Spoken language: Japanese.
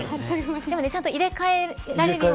でもちゃんと入れ替えられるように。